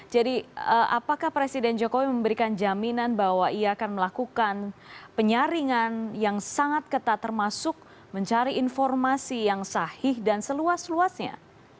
jadi apakah presiden jokowi memberikan jaminan bahwa ia akan melakukan penyaringan yang sangat ketat termasuk mencari informasi yang sahih dan seluas luasnya